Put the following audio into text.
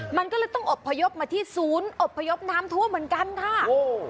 มันก็เลยต้องอบพยพมาที่ศูนย์อบพยพน้ำท่วมเหมือนกันค่ะโอ้